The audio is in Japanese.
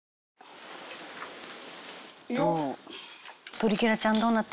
「トリケラちゃんどうなってるかな？」